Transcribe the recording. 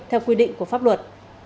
theo quy định của pháp luật